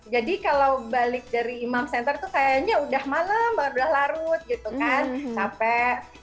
kalau balik dari imam center tuh kayaknya udah malam baru udah larut gitu kan capek